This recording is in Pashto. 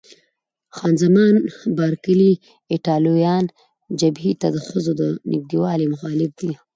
خان زمان بارکلي: ایټالویان جبهې ته د ښځو د نږدېوالي مخالف دي.